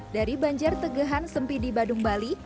dari banjar tegahan sempidi badung bali